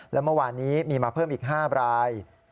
และเมื่อวานนี้มีมาเพิ่มอีก๕ราย